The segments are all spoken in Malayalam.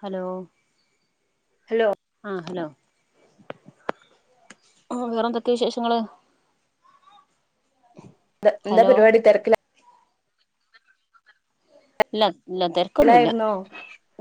ഹലോ. ഹലോ. ആഹ് ഹലോ. ഓഹ് വേറെന്തൊക്കെയ വിശേഷങ്ങള്. ന്ത എന്താ ഹലോ പരിവാടി തെരക്കിലാ. ഇല്ല ഇല്ല തെരക്കൊന്നുല്ല തിരക്കിലായിരുന്നോ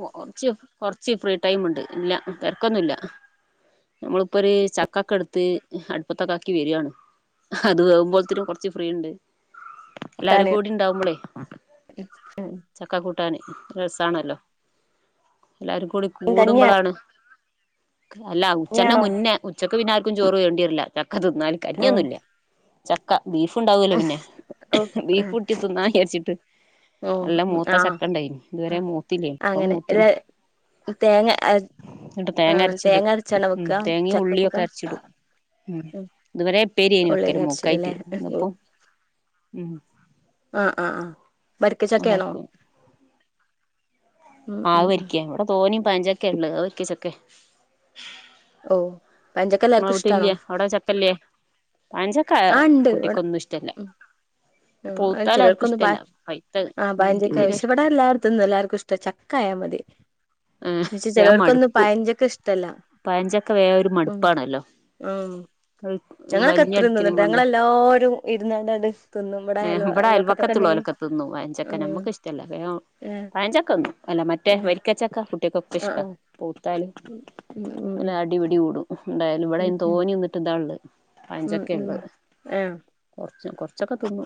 ഓഹ് ഒറച്ച് കൊറച്ച് ഫ്രീ ടൈമ്ണ്ട് ഇല്ല തെരക്കൊന്നുല്ല. നമ്മളിപ്പൊര് ചക്കക്കെടുത്ത് അട്പ്പത്തൊക്കെ ആക്കി വരികാണ്. അത് വേവുമ്പോൾത്തേനും കൊറച്ച് ഫ്രീണ്ട് എല്ലാരും കൂട്ടാന് കൂടിണ്ടാവുമ്പോളെ. [unintelligible] ചക്ക കൂട്ടാന് രസാണല്ലോ എല്ലാരും കൂടി കഞ്ഞിയാ കൂടുമ്പളാണ്. അല്ല ഉച്ചന്റ കഞ്ഞിയാണോ മുന്നേ ഉച്ചക്ക് പിന്നാര്ക്കും ചോറ് വേണ്ടിയര്ല്ല ചക്കതിന്നാല് ഉം കഞ്ഞിയൊന്നൂല്ല്യ. ചക്ക ബീഫുണ്ടാവുയുല്ലോ പിന്നെ ഓ ഉം ബീഫുട്ടി തിന്നാജാരിച്ചിട്ട്. ഉം നല്ല ഉം മൂത്ത ആ ചക്കണ്ടായിന് ആ ഇതുവരെ മൂത്തില്ലേ ഇപ്പം അങ്ങനെ മൂത്ത്- ഇല്ല തേങ്ങ ആ ന്ന്ട്ട് തേങ്ങ അരച്ചിടും അരച്ചാണോ വെക്കുക തെങ്ങേം ഉള്ളിയൊക്കെ ചക്കക്കൂട്ടാൻ അരച്ചിടും. ഉം ഇതുവരെ ഉപ്പേരി ആയീനു ഓക്കേരു ഉള്ളിയൊക്കെ മൂക്കായ്റ്റ് അരച്ചിടുല്ലേ ഇപ്പോ - ആഹ് ആഹ് ആഹ് വരിക്ക ചക്കയാണോ? ആഹ് ഉം വരിക്യണ് ഇവിടെ തോനയും പയംചക്കയ ഉള്ളേത് വരിക്ക ചക്ക ഓ- പഴഞ്ചക്ക ഇങ്ങളെ എല്ലാർക്കും ഇഷ്ടാണോ വീട്ടില്ല്യേ അവിട ചക്കല്ല്യേ പയഞ്ചക്ക എ ആ ഉണ്ട് ഇവിടെ കുട്ടിക്കൊന്നിഷ്ടല്ല. ഉം ആ അത് ചിലർക്കൊന്ന് ഇഷ്ടല്ല ബായ്‌ പൈത്തത് ആഹ് ഇൻക്ക് ബയഞ്ചക്ക തീരെ വക്ഷേ ഇഷ് ഇവടെല്ലാര് ക്കുംതന്നെല്ലാർക്കിഷ്ട്ടാ ചക്കായാ മതി. ഏഹ് ന്നച്ച വേം ചെലവർക്കൊന്നു മടുക്കും പയഞ്ചക്ക ഇഷ്ടല്ല പഴഞ്ചക്ക വേം ഒരു ഉം. മടുപ്പാണല്ലോ ഉം ഞങ്ങളൊക്കെ എത്ര വലിഞ്ഞടിക്ക്ണ തിന്നിണ്ട്ട്ടാ ഞങ്ങളെല്ലാരും ഇരുന്നണ്ട് അത് ത് ഏഹ് വടെ അയൽവക്കത്തുള്ളോലെക്കെ തിന്നു യഞ്ചക്ക ഉം നമ്മക്ക് ഇഷ്ടല്ല പ് ഒ ഏഹ് പയഞ്ചക്കന്നു അല്ല മറ്റേ ഉം വരി രിക്കച്ചക്ക കുട്ടിയക്കൊക്കെ ഇഷ്ട ആഹ് പൂത്താല് ഉം ഉം ഉം എല്ലാം അടിപിടി കൂടും ഉണ്ടായാലും ഇവിടെ ഉം തോനെ നിന്നിട്ട് ഇതാ ഉള്ളത് പഴം ഉം ഉം ചക്കെ ഉം ഉള്ളത് ആഹ് കൊറച്ച് കൊറച്ചൊക്കെ തിന്നു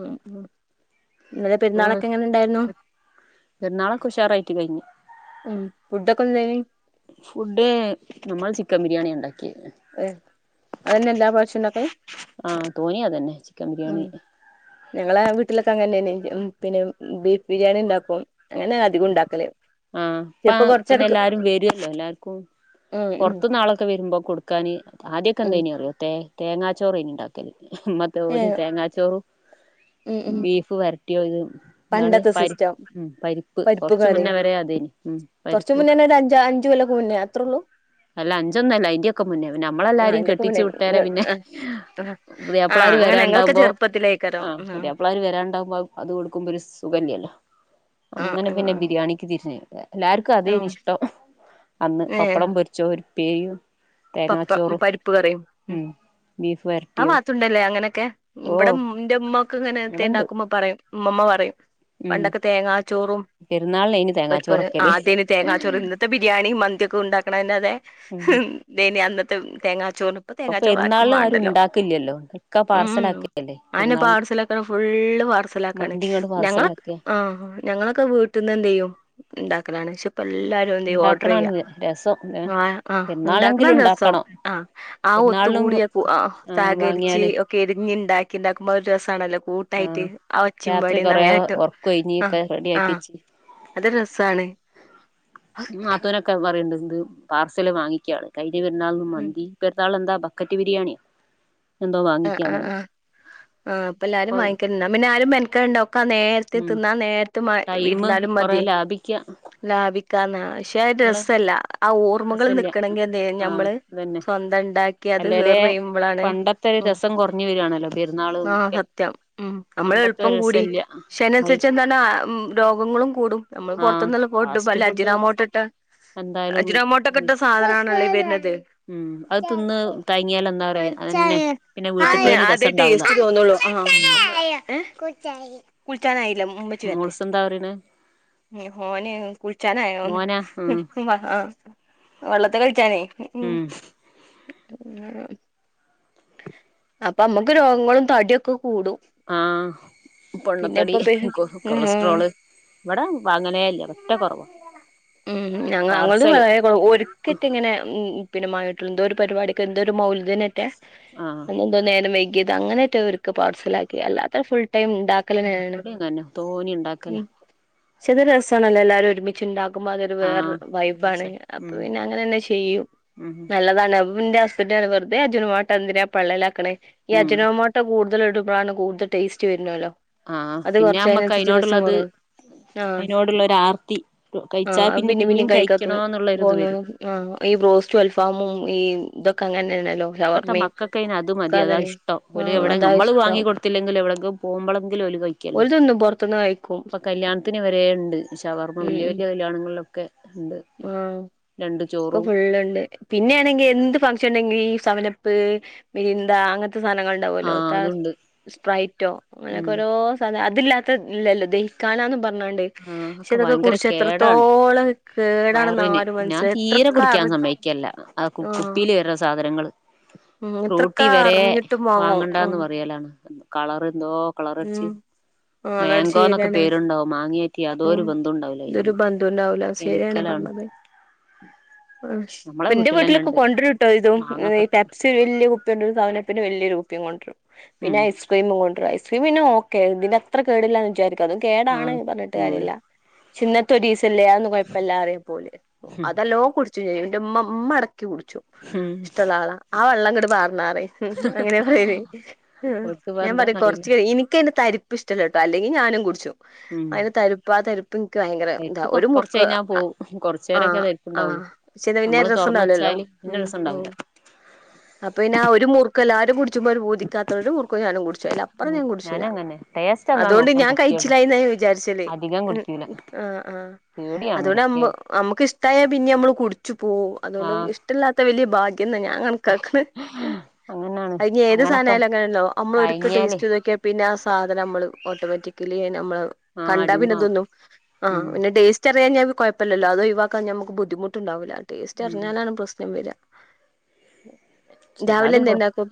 ഉം ഉം ഇന്നലെ എന്ത്ന്ന് പെരുന്നാളൊക്കെ എങ്ങനെ ഉണ്ടായിരുന്നു പെ പെരുന്നാള്ളൊക്കെ ഉഷാറായിട്ട് കഴിഞ്ഞു ഉം പുഡൊക്കെയെന്തായിനി- ഫുഡ് നമ്മൾ ചിക്കൻ ബിരിയാണിയ ഉണ്ടാക്കിയത് അ് അതന്നെ എല്ലാ പ്രവിശ്യവും ഉണ്ടാക്കല് ആഹ് തോനീയത് തന്നെ വച്ച് ഉം ഞങ്ങളെ വീട്ടിലൊക്കെ അങ്ങനതന്നെ ഉം പിന്നെ ബീഫ് ബിരിയാണി ഉണ്ടാക്കും അങ്ങനെ അധി ആഹ് പ്പ പിന്നെ എല്ലാരും വരുല്ലോ എല്ലാർക്കും ഉം ഉം പുറത്തുന്നാളൊക്കെ വരുമ്പോ കൊടുക്കാന് ആദ്യക്കെ ഉം എന്തേനി അറിവോ മറ്റേ തേങ്ങാച്ചോറ് ഇനി ഉണ്ടാക്കെല് ഉമ്മ തോനേം ഏഹ് തേങ്ങാച്ചോറ്- ഉം ഉം ബീഫ് വരട്ടിയോത് എന്താണ് പണ്ടത്തെ പരി സിസ്റ്റം പരി പരിപ്പ് കൊറച്ച് കറി മുന്നേ വരെയാതെന് ഉം കുറച്ച് പരിപ്പൂ- മുന്നേന്നെ ഒരു അഞ്ച് അഞ്ച് കൊല്ലൊക്കെ മുന്നേ അത്രേ ഉള്ളൂ അല്ല അഞ്ചൊന്നെല്ല അയിന്റെയൊക്കെ മുന്നേ പിന്നെ ആഹ് നമ്മളെല്ലാരെയും അയിന്റെക്കെ കെട്ടിച്ചു മുന്നേ വിട്ടേര ഇങ്ങ പിന്നെ- ആഹ് ആഹ് ആഹ് പുതിയാപ്പിള്ളാര് അങ്ങനെ ഞങ്ങളൊക്കെ വരാണ്ടാവുമ്പോ ചെറുപ്പത്തിലേക്കാരം ആഹാ ആഹ് പുതിയാപ്പിള മാര് വരാണ്ടാവുമ്പോൾ അത് കൊടുക്കുമ്പോൾ ഒരു സുഖയില്ലല്ലോ ആഹ് അങ്ങനെ പിന്നെ ആഹ് ബിരിയാണിക്ക് തിരിഞ്ഞ് എല്ലാർക്കും അതേ ആഹ് നി ഇഷ്ടം അന്ന് ഏഹ് പപ്പടം പൊ ചോരുപെയും പപ്പ പരിപ്പ് കറിയും - ഉം ബീഫ് എല്ലാ വരട്ടിയോ പാത്തുണ്ടല്ലേ അങ്ങനൊക്കെ മ് ഇവിടം ഓഹ് എന്റെ ഉമ്മാക്ക് ഇങ്ങനെത്തെ ഇവിടെണ്ട് ഉണ്ടാക്കുമ്പോ പറയും ഉമ്മുമ്മ പറയും ഉം പണ്ടൊക്കെ തേങ്ങാ ചോറും പെരുന്നാളിനേനി ഒരുപോലെ തേങ്ങാച്ചോറൊക്കല് ആദ്യത് തേങ്ങാച്ചോറ് ഇന്നത്തെ ബിരിയാണിയും മന്തിയൊക്കെ ഉണ്ടാക്കണ അതെ ഉം ഇതേനി അന്നത്തെ തേങ്ങാച്ചോറു- ഇപ്പോ ഇപ്പൊ തേങ്ങാച്ചോറ് ആർക്കും പെരുന്നാളിന് ആരും വേണ്ടല്ലോ ഉണ്ടാക്കില്ലല്ലോ ഒക്കെ ഉം പാർസലാക്കല്ലേ അന്റെ പെരുന്നാളിന് പാഴ്സല്- ഫുള്ള് പാർസല് ആക്കാണ് മന്തി ഇങ്ങട് ഞങ്ങള് പാർസലാക്ക ആ. ഞങ്ങളൊക്കെ വീട്ട്ന്ന് എന്തയ്യും ഇണ്ടാക്കലാണ് ക്ഷെ ഇപ്പ എല്ലാ ത് എന്തെയ്യും ഓഡറയ്യ ഉണ്ടാക്കണാണ് രസം ഏഹ് ആ ആഹ് പെരുന്നാളിനെങ്കിലും ഇണ്ടാക്ക്ണാണ് രസം ഉണ്ടാക്കണം ആ ആ പെരുന്നാളിനും ഒത്തുകൂടിയ അ ആഹ് സഹകര്ച്ച് വാങ്ങിയാല് കെരിഞ്ഞി ഇണ്ടാക്കി ഇണ്ടാക്കുമ്പോ അതൊരു രസാണല്ലോ കൂട്ടായിട്ട് ആഹ് ആ ഒച്ചിം രാത്രി പടിം കൊറേ നായാട്ടും ഒറക്കൊഴിഞ്ഞ് ആ ഒക്കെ ആ റെഡിയാക്കി വെച്ച് അത് രസാണ് ഉം നാത്തുനൊ ക്കെ പറീണ്ട് എന്ത് പാർസല് വാങ്ങിക്ക്യാണ് കഴിഞ്ഞ പെര്ന്നാൾന് ഉം മന്തി ഈ പെര്ന്നാൾനെന്താ ബക്കറ്റ് ബിരിയാണി ആ ആ ആ ആ ഇപ്പ ഇപ്പൊ എല്ലാരും വാങ്ങിക്കല്ണ്ട് ന്നാ പിന്നെ ആരും മെൻക്കെടണ്ട ഒക്ക ആ നേര് ത് ഉം തിന്നാൻ നേര്ത്ത് മ ടൈമ് ഇര്ന്നാലും കൊറേ മതി ലാഭിക്ക ലാഭിക്കാന്ന പക്ഷെ അത് ങ്ങള് രസല്ല ആ ഓർമ്മകള് രസല്ല നിക്കണെങ്കി എന്തയ്യ ആഹ് ഞമ്മള് അതന്നെ സ്വന്തം ഇണ്ടാക്കി അത് അല്ലേലേ സെർവ് ചെയ്യുമ്പളാണ് പണ്ടത്തെ ഒരു ഉം രസം കുറഞ്ഞു വരിയാണല്ലോ പെരുന്നാള് ആ ഒക്കെ സത്യം ഉം നമ്മള് പണ്ടത്തെ എൾപ്പം ഒരു കൂടി രസല്ല പക്ഷേ അയിനൻസര്ച്ച് എന്താണ് രോഗങ്ങളും കൂടും നമ്മള് ആഹ് പോർത്ത്ന്ന്ള്ള ഫുഡും ഫാസ്റ്റ് വല്ല ഫുഡ് അജിറാമോട്ടട്ടാണ്ട് എന്തായാലും ക്കട്ട സാധനാണ്ള്ളെ ഈ വര്നത് ഉം അത് തിന്ന് തയങ്ങിയാൽ എന്താ പറയാ അതന്നെ പിന്നെ അതന്ന വീട്ടത്തേന് അതെ രസം ഉണ്ടാവൂല ടേസ്റ്റ് തോന്നോള്ളു ആ ഉം ഏ കുൾച്ചാനായില്ല ഉം ഉമ്മച്ചി വര്ട്ടെ മോൾസ് എന്താ പറയണേ ഉം മോന് കുൾച്ചാനാഴിണോന്ന് ഉം [unintelligible] വള്ളത്ത് കൾച്ചാനേ ഉം [unintelligible] അപ്പം അമ്മക്ക് രോഗങ്ങളും തടി ഒക്ക കൂടും ആ പിന്നെ പൊണ്ണത്തടി ഇപ്പൊ പെ കൊ ഉം കൊളസ്ട്രോള് ഇവടെ വാങ്ങലെ ഇല്ല പറ്റ കോറവ ഉം ഞങ്ങ അങ്ങൾതും വേ - ഒര്ക്കറ്റെ ഇങ്ങനെ ഉം പിന്നെ മാങ്ങീട്ടോള്ളൂ എന്തോ ഒരു പരിവാടിക്കൊ എന്തോ ഒരു മൗല്തിനെറ്റെ ആ എന്തോ നേരം വെകിയത് അങ്ങനെറ്റെ ഒര്ക്കെ പാർസൽ ആക്കി അല്ലാത്ത ഫുൾ ടൈം ഇണ്ട- ക്കലെന്നെണ് ഇവിടേം തന്നെ തോനെ ഉണ്ടാക്കല ഉം ചത് രസാണല്ലോ എല്ലാരു ഒരുമി ച് ഇണ്ടാക്കുമ്പ അതൊരു വേറെ ആഹ് വൈബാണ് മനസ്സിലായി അപ്പൊ ഉം പിന്നെ അങ്ങനെന്നെ ചെയ്യും ഉം നല്ലതാണ് അപ്പോ ഇന്റെ ഹസ്ബൻഡ് പറിം വെർതെ അജ്നമൊട്ട എന്തിനാ പള്ളെലാക്ക്ണേ ഈ ഉം അജ്നോമൊ ട്ട കൂടുതൽ ഇടുമ്പളാണ് കൂടുതൽ ടേസ്റ്റ് വര്നോലോ ആഹ് അത് പിന്നെ കൊർച്ച്‌ നമ്മക്ക് അഴിനൻസര്ച്ച് രസം കൊ അയിനോടുള്ളത് ആ അയിനോടുള്ള ഒരു ആർത്തി ആ കഴിച്ചാ അത് പിന്നെ പിന്നിം പിന്നിം പിന്നെയും കഴിക്കാം തൊ കഴിക്കണോന്നുള്ളൊരിത് തോന്ന്ണത് വരും ആ ഈ ബ്രോസ്റ്റും അൽഫാമും ഈ ഇതൊക്ക അങ്ങൻനെണല്ലോ ഇപ്പത്തെ മക്കക്ക് അയിന് അത് മതി അതാ ഇഷ്ടം ഓലെ ആഹ് എവ്ടെ അതാ നമ്മള് വാങ്ങി ഇഷ്ടം കൊട് ത്തില്ലെങ്കിലും എവടക്ക് പോവുമ്പളങ്കിലും ഓല് കഴി ക്ക്യല്ലോ ഓല് തിന്നും പൊറത്ത്ന്ന് കഴിക്കും ഇപ്പ കല്ല്യാൺത്തിന് വരെ ഇണ്ട് ഷവർമ വല്ല്യ വല്ല്യ കല്യാണങ്ങൾലോ ക്കെ ഇണ്ട് ആ രണ്ട് ഒക്ക ചോറും ഫുള്ള് ഇണ്ട് പിന്നെ ആണെങ്കി എന്ത് ഫംഗ്ഷൻ ഇണ്ടെങ്കി ഈ സവനപ്പ് മിരിന്ത അങ്ങൻത്ത സാനങ്ങൾ. ഇണ്ടാവോല്ലോ ആഹ് ത അതുണ്ട് സ്ട്ട്രൈറ്റോ അങ്ങനോക്കെ ഉം ഓരോ അതില്ലാത്ത ഇല്ലല്ലോ ദഹിക്കാനാന്ന് പർഞ്ഞാണ്ട് ആഹ് പക്ഷെ അതൊക്കെ ഇതൊക്കെ ഭയങ്കര കുട്ച്ച് കേടാണ് എത്രത്തോളം കേടാണെന്ന് വയറിന് ആരും ഞാൻ മൻസ്സില തീരെ എത്രക്ക കുടിക്കാൻ അറി സമ്മയിക്കല്ല ആ- [unintelligible] സാധനങ്ങള് ഫ്രൂട്ടി വെരേ അറിഞ്ഞിട്ടും വാങ്ങും വാങ്ങണ്ടാന്ന് ഉം പറയലാണ്. കളറ് ന്തോ ഉം കളറട്ച്ചി ആളടിച്ചു മേങ്കോന്നൊക്കെ ശരിയാണേ പേരുണ്ടാവും മാങ്ങീ ഉം ഇതൊരു ബന്ധൂല്ലാവൂലാ ശെരിയാണാ കെമിക്കലാണ് പർഞ്ഞത്. ആഹ് ശ് നമ്മളെ പ്പന്റെ വീട്ടിൽ തന്നെ വീട്ടിലൊക്കെ ഉണ്ട് കൊണ്ട് രുട്ടോ ഇതും മാങ്ങൊക്കെ ഈ പെപ്സി പ്പി വെല്ല്യ കുപ്പി കൊണ്ടരും സവനപ്പിന്റെ വെല്ല്യൊരു കുപ്പിം കൊണ്ട് രും പിന്നെ ഉം ഐസ് ക്രീമും കൊണ്ട് രും ഐസ്ക്രീമ് പിന്നെ ഓക്കെ തിന്റെ അത്ര കേടില്ല എന്ന് വിചാരിക്ക അതും കേടാണ് ആഹ് പർഞ്ഞ് ഉം ചിന്നത്തൊരീസല്ലേ അതൊന്നും കൊഴപ്പല്ലാറിയുപ്പോല് അതല്ലോംകുട് ച്ച് ന്റെമ്മ മ്മ എടയ്ക്കി കുടിച്ചും. ഉം ഇഷ്ടള്ള ആളാ ആ വെള്ളംങ്ങട്ട് പാർന്നാറിം അങ്ങന്യാ പറയല് ഉം ഉം ഓൽക്കിപ്പോ ഞാൻ പറയാ എന്താന്നറിയില്ല കൊർച്ച് കഴി ഇനിക്കയിന്റെ തരി പ്പ് ഷ്ടല്ലട്ടോ അല്ലെങ്കി ഞാനും കുട്ച്ചും. ഉം അയ്ന് തരിപ്പാ തരി പ്ൻക്ക് വയങ്കര താ പരിപ്പ് ഒരു കൊറച്ച് മുർക്ക് കഴിഞ്ഞാ അ പോവും കൊറച്ച് നേരൊക്കെ ആഹ് ആഹ് പരിപ്പുണ്ടാവുള്ളു പക്ഷെ ത് പിന്നെ രസംണ്ടാവ് ലല്ലോ ന്നെ രസണ്ടാവൂല. അപ്പൊന്നെ ആ ഒരു മുർ എല്ലാരും കുട്ച്ചുമ്പം ഒരു പൂതിക്കാത്ര രു മുർക്ക് ഞാനും കുട്ച്ചും. അയ്‌ലപ്പറ ഉം ഞാൻ ഞാനും കുട്ച്ചൂലാ. അങ്ങനെ ടേസ്റ്റ് എന്താ അതോണ്ട് നോക്കാൻ ഞാൻ കുടിക്കുള്ളൂ കയിച്ചിലായിന്നാ വിചാര്ച്ചല് അധികം കുടിക്കൂല ആഹ് ആഹ് പേടിയാണ് അതുകൊണ്ട് അമ്മു കുടിക്കാൻ അമ്മുക്ക് ഇഷ്ടായ പിന്നി അമ്മള് കുടിച്ചു പോവു അതുകൊണ്ട് ആഹ് ഇഷ് ടല്ലാത്ത വെല്യ ഭാഗ്യം ന്ന ഞാൻ കൺ ക്കാക്ക്ണ് അങ്ങനാണ് അയ്ഞ്ഞി ഏത് അങ്ങനൊക്കെ സാനായാലും അങ്ങനല്ലോ അമ്മളൊരുക്കെ തയങ്ങിയാലേ ടേയ്സ്റ്റെയ്തോക്ക്യാ പിന്നെ ആ സാധനം അമ്മള് ഓട്ടോമാറ്റിക്കലി നമ്മളെ ആഹ് കണ്ടാ പിന്നെ അടിമാവും തോന്നും ഉം ആഹ് പിന്നെ ടേസ് ചെറിയ ഞ [unintelligible] കൊഴപ്പല്ലല്ലോ അത് ഒഴിവാക്കാൻഞ്ഞാ മ്മക്ക് ബുദ്ധിമുട്ടുണ്ടാവൂല. ഉം ടേസ്റ്റർഞ്ഞാലാണ് പ്രശ്നം വെര രാവിലെ ഏതായാലും എന്തേ കൊ ണ്ടാക്കും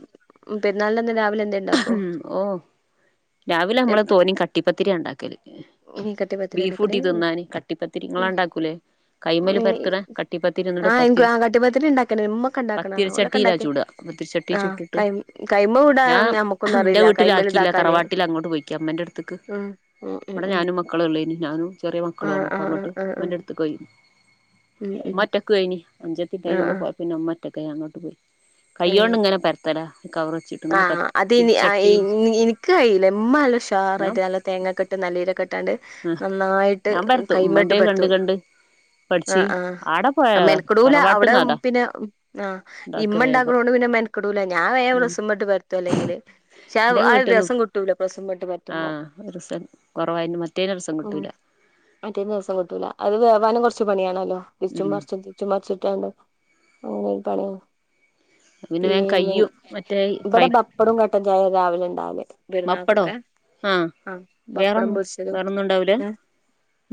ഉം പെര്ന്നാൾൻ്റന്ന് രാവിലെ എന്തേ ഇണ്ടാക്കോ ഉം ഓഹ് രാവിലെ അമ്മള് തോനീം കട്ടിപ്പത്തിരി ആണ്ടാക്കല്. ഏഹ് കട്ടിപ്പത്തിരി ഇണ്ടാക്കല് ബീഫൂട്ടി തിന്നാന് കട്ടിപ്പത്തിരി ങ്ങളാ ണ്ടാക്കൂലേ കൈമല് പര്ത്ത്ണെ കട്ടിപ്പത്തിരി ന്നട്ട് ആ എനിക്ക് പത്തിരി ആ കട്ടിപ്പത്തിരി ഇണ്ടാക്കല് ഉമ്മക്കെ ഇണ്ടാക്കണാണാ ഓലൊക്കെ പത്തിരിച്ചട്ടീലാ ഇണ്ടാക്കല് ചുടാ പത്തിരിച്ചട്ടി ആഹ് ചുട്ടിട്ട് കൈ കൈമ വിടാൻ ഞാൻ ഞമ്മക്കൊന്നും ന്റെ അറിയില്ല കൈമേൽ വീട്ട്ലാക്കില്ല ഇതാക്കാന് തറവാട്ടിലങ്ങോട്ട് പോയിയ്ക്ക മ്മ ന്റട്ത്ത്ക്ക്. ഉം ഉം ഉം വടെ ഉം ഞാനും മക്കളൊള്ളേനി. ഞാനും ചെറിയ മക്കളു ആഹ് ആണ്. ഉപ്പ ആഹ് അങ്ങോട്ട് ആഹ് ആഹ് മ്മന്റെ ട്ത്ത്ക്കോയി ഉം ഉം മ്മറ്റൊക്കു എയ്നി. അഞ്ചത്തി ആഹ് പെങ്ങളും ആഹ് പോയ പിന്നെ മ്മറ്റൊക്കായി. അങ്ങോട്ട് പോയി ഏഹ് കയ്യോണ്ട് ങ്ങനെ പര്ത്തലാ ഈ കവറ് വെച്ചിട്ട് നല്ലപര് ആഹ് അത് നി അയ് ൻ ഇൻക്ക് കയീല മ്മ നല്ല ഉഷാറായിട്ട് ഞാൻ നല്ല തേങ്ങ കെട്ട് നല്ലീര കെ ട്ടാണ്ട് നന്നായിട്ട് ഞാൻ പരത്തും കൈമട്ട് ഉമ്മന്റെ പര്ത്തു കണ്ട് കണ്ട് പഠിച്ച് ആഹ് ആടെ ആഹ് പോയാല അതാ മെനക്കെടൂലാ അവടെ തറവാട്ട്ന്ന് അതാ പിന്നെ ആഹ് ഉണ്ടാക്ക ഇമ്മ ണ്ടാ വേഗം ക്ക്ണോണ്ട് പിന്നെ മെൻ ക്കെടൂലാ ഞാ ഉം വേംപ്രസ് മ്മട്ട് പര്ത്തുലെങ്കില് പക്ഷെ ആ എന്റെ ആ ഒരു രസം കിട്ടൂല പ്രസ്മ്മട്ട് പര്ത്തുമ്പോ ഒര് രസൻ കൊറവായിണ്ട് മറ്റേത് ഉം മറ്റേൻ്റെ രസം കിട്ടൂല. അത് വേവാനും കൊർച്ച് പണിയാണല്ലോ തിര്ച്ചും ഉം മർച്ചും ര്ച്ചുമർച്ചുട്ടാണ്ട് അങ്ങനൊരു പണിയാണ് ത്പിന്നെ വേം കയ്യും മറ്റേയി വടെ പപ്പടും കട്ടൻ ചായ രാവിലെണ്ടാവല് പപ്പടോ പെരുന്നാക്കൊക്കെ ആഹ് ബപ്പടം വേറൊന്നും പൊരിച്ചതും വേറൊന്നും ഉണ്ടാവൂല ഏഹ്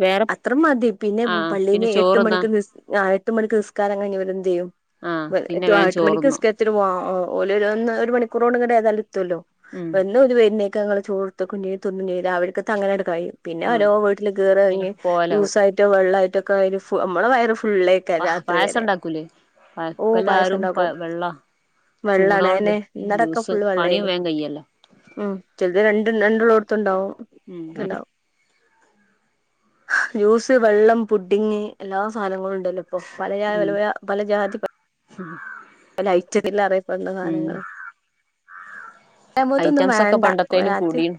വേറെ അത്ര മതി. പിന്നെ ആഹ് പിന്നെ പള്ളീന്ന് എട്ട് ചോറ്ന്നാ മണിക്ക് നിസ് ആഹ് എട്ട്മണിക്ക് നിസ്കാരം കഴിഞ്ഞ് വെരും ചെയ്യും. ആഹ് മ പിന്നെ എത്തോ ആഹ് വേഗം എട്ടു മണിക്ക് ചോറ്ന്നും നിസ്ക വൊ ഓഹ് ഓല് ര ഒര് മണിക്കൂറോണ്ട്ങ്ങനെ ഏതാലും എത്തുല്ലോ ഉം [unintelligible] ക്കങ്ങള് [unintelligible] രാവിലത്തെ അങ്ങനെ ആട് കഴിയും പിന്നെ ആഹ് ഓരോ വീട്ടില് കേറി എറങ്ങി ഇതിനൊക്കെ പോവലാവും ജൂസായിറ്റും വെള്ളായിറ്റും ഒക്കെ കയിഞ്ഞ് നമ്മളെ വയറ് ഫുള്ളേ ക്കെ രാത്രി പായസം വരെ ഉണ്ടാക്കൂലേ ഓ ഇപ്പ പായസം എല്ലാരും ഇണ്ടാക്കും വെള്ള വെള്ളാണ് ചൂടോണ്ട് അയന്നെ ഇന്നടക്കം ജ്യൂസ് ഫുള്ള് പണിയും വെള്ളേനി വേഗം കയ്യല്ലോ ഉം ചെലത് രണ്ട് രണ്ടുള്ളോടത്തുണ്ടാവും ഉം ഒക്കെണ്ടാവും ജ്യൂസ്, വെള്ളം, പുഡിങ്ങ് എല്ലാ സാധനങ്ങളും ഇണ്ടല്ലോ ഇപ്പം പലജാ പല പല പല ജാതി ആഹ് പല ഐറ്റ [unintelligible] അറിയപ്പെടെണ്ട സാധനങ്ങളാ ത്തൊന്നും ഐറ്റംസ് ഒക്കെ വേണ്ടാ പണ്ടത്തേലും രാത്രി കൂടീണ്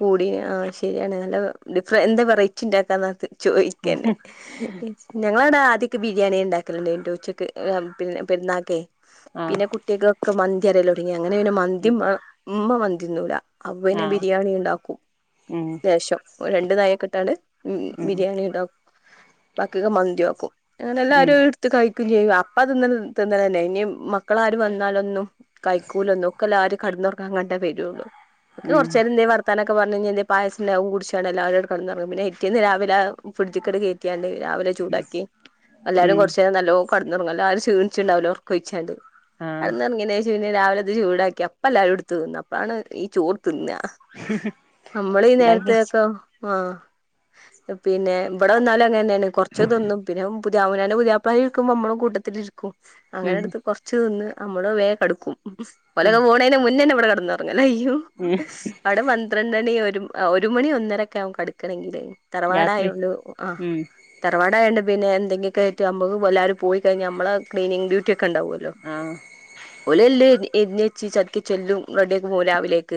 കൂടി ആഹ് ശരിയാണ് നല്ല വെ ഡിഫ എന്താ വെറൈറ്റി ഇണ്ടാക്കാനാത്ത് ചോയിക്കന്നെ ഞങ്ങളാടെ ആദ്യക്കെ ബിരിയാണി ഇണ്ടാക്കല്ണ്ടേനി ഉച്ചക്ക് ആഹ് പിന്നെ പെരുന്നാക്കെ ആഹ് പിന്നെ കുട്ട് ളൊക്കെ മന്തി വെരല് തൊടങ്ങി അങ്ങനെ മന്തിമ്മ ഉമ്മ മന്തി തിന്നൂല്ലാ അപ്പ പിന്നെ ബിര് ആഹ് ബിരിയാണി ഇണ്ടാക്കും ഉം ലേശം ഒര് രണ്ട് നായിയൊക്കെ ഇട്ടാണ്ട് ഉം ബിരിയാണി ഇണ്ടാക് ബാക്കിയൊക്കെ മന്തിയാക്കും അങ്ങനെ ഉം എല്ലാരും അതെട് കഴിക്കും ചെയ്യും അപ്പ തിന്നത് തിന്നതെന്നെ ഇനി മക്കളാരും വന്നാലൊന്നും കൈക്കൂലൊന്നും ഒക്കെല്ലാരും കടന്നൊർങ്ങാൻങ്ങാണ്ടാ വരുള്ളൂ ഉം എന്തെ വർത്താനൊക്കെ പറഞ്ഞ് കയിഞ്ഞ് എന്തെ പായസണ്ടെ അതും കുടിച്ചാണ്ട് എല്ലാരും ആണ്ട് കടന്നൊറങ്ങും പിറ്റേന്ന് രാവിലെ ഫ്രിഡ്ജ്ക്കാട് കേറ്റി റ്റിയാല് രാവിലെ ചൂടാക്കി എല്ലാരും ഉം കൊറച്ചേരം നല്ലോ കടന്നറങ്ങല്ലോ എല്ലാരും ക്ഷീണിച്ചിണ്ടാവല്ലോ ഒർക്കൊഴിച്ചാണ്ട് ആഹ് കടന്നൊറങ്ങിയാന്ശ് പിന്നെ രാവിലെ ഇത് ചൂടാക്കി അപ്പം എല്ലാരും എടുത്ത് തിന്നാ അപ്പാണ് ഈ ചോറ് തിന്നാ നമ്മളീ ഇണ്ടാക്കി വെച്ച് നേരത്തെക്കെ ആഹ് പിന്നെ ഇബടെ വന്നാലും അങ്ങനെന്നെയാണ് കൊറച്ച് തിന്നും പിന്നാ പുതിയാമുനാന്റെ പുതിയാപ്പളാരും ഇരിക്കുമ്പോ ഇമ്മളും കൂട്ടത്തില് ഇരിക്കും ഉം അങ്ങനെടുത്ത് കൊർ ച്ച്ന്ന് നമ്മള് വേം കെടക്കും ഉം ഓലൊക്കെ പോണേന് മുന്നന്നെ നമ്മള് കെടന്നൊറങ്ങലായിരിക്കും. ഉം അവിടെ പന്ത്രണ്ടണി ഒരു ഒരു മണി ഒന്നരൊക്കെ ആവും കെടക്കണെങ്കില് രാത്രി തറവാടായോണ്ട് ആഹ് ഉം തറവാടയണ്ട് പിന്നെ എന്തെങ്കി ഒക്കെ ആയിറ്റ് നമ്മക്ക് എല്ലാരും പോയി കഴിഞ്ഞാ നമ്മള് ക്ലീനിംങ് ഡ്യൂട്ടി ഒക്കെണ്ടാവല്ലോ ആഹ് ഒലെല്ല് എരിഞ്ഞ് വെച്ച് ചക്കി ചെല്ലും റെഡിയാക്കി പോവും രാവിലേക്ക്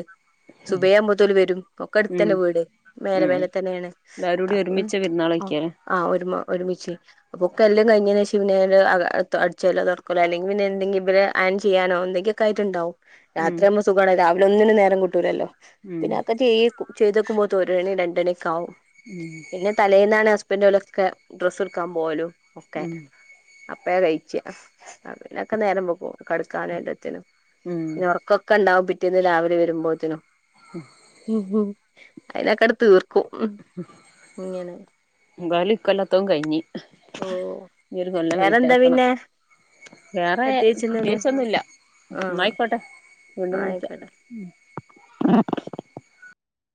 സുബൈ ആവുമ്പോത്തോല് ഓല് വെരും ഒക്കെ അടുത്ത് ഉം തന്നെ വീട് മേലെ ഉം മേലെ തന്നെയാണ് എല്ലാരൂടി ഒരുമിച്ച് പെരുന്നാള് കയിക്കാല്ലേ ആഹ് ഒരുമ ഒരുമിച്ച് ഒക്കെ എല്ലാം കയിഞ്ഞേനേഷ് പിന്നെ അക തൊ അടിച്ചുവാരലോ തൊടക്കലോ അല്ലെങ്കി പിന്നെ എന്തെങ്കിലൊക്കെ ഇബലെ അയൺ ചെയ്യാനോ എന്തെങ്ങൊക്കെ ആയിട്ട്ണ്ടാവും ഉം രാത്രിയാവുമ്പം സുഖാണ് രാവിലെ ഒന്നിനും നേരം കിട്ടൂലല്ലോ ഉം പിന്നെ ആക്കെ ചെയ് ചെയ്തക്കുമ്പോത്തേക്ക് ഒരണി രണ്ടണി ഒക്കെ ആവും ഉം പിന്നെ തലേന്നാണ് ഹസ്ബൻഡ് ഓലൊക്കെ ഡ്രസ്സ് എടുക്കാൻ പോവലും ഒക്കെ ഉം അപ്പഴാ കഴിച്ചാ ആഹ് പിന്നൊക്കെ നേരം വെകും കടക്കാനും എല്ലത്തിനും ഉം പിൻ ഒറങ്ങ് ക്കൊക്കെണ്ടാവും പിറ്റേന്ന് രാവിലെ വെരുമ്പോത്തിനും ഉം അയിലെക്കാട് തീർക്കും ഇങ്ങനെ എന്തായാലും ഇക്കൊല്ലത്തോം കയിഞ്ഞ് ഓ ഇനിയൊരു കൊല്ലം വേറെന്താ കയിഞ്ഞിറ്റാക്കണം പിന്നെ വേറെ പ്രത്യേകിച്ചൊന്നുല്ല ആഹ് ഇന്നായിക്കോട്ടെ വീണ്ടും വിളിക്കാ ആയിക്കോട്ടെ ആ